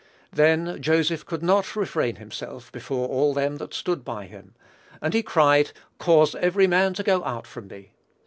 "Then Joseph could not refrain himself before all them that stood by him; and he cried, Cause every man to go out from me.